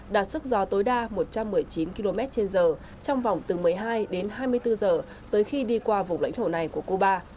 đạt sức gió tối đa một trăm một mươi chín km trên giờ trong vòng từ một mươi hai đến hai mươi bốn giờ tới khi đi qua vùng lãnh thổ này của cuba